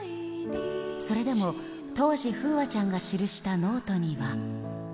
それでも、当時、楓空ちゃんが記したノートには。